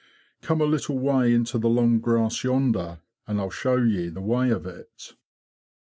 Come a little way into the long grass yonder, and I'll show ye the way of it.